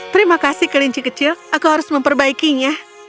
terima kasih kelinci kecil aku harus memperbaikinya